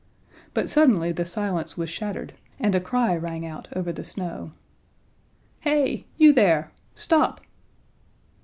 But suddenly the silence was shattered and a cry rang out over the snow. "Hey! You there! Stop!"